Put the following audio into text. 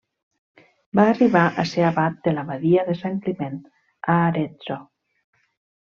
Va arribar a ser abat de l'Abadia de Sant Climent, a Arezzo.